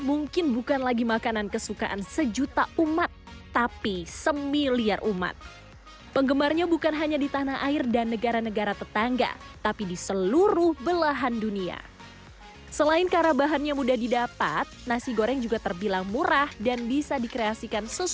yang dibutuhkan untuk membuatnya sudah pasti nasi